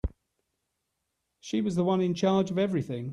She was the one in charge of everything.